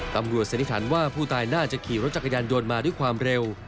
ตำรวจสัญญาณว่าผู้ตายน่าจะขี่รถจักรยานโยนมาด้วยความเร็ว